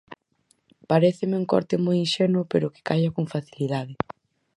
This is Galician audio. Paréceme un corte moi inxenuo pero que calla con facilidade.